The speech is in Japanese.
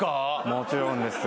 もちろんです。